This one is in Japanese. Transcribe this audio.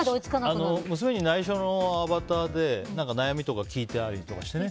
娘に内緒のアバターで悩みとかを聞いたりしてね。